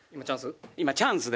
今チャンス？